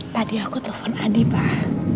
tadi aku telepon adi pak